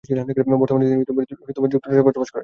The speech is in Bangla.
বর্তমানে তিনি যুক্তরাষ্ট্রে বসবাস করছেন।